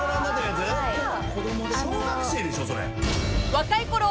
［若いころ］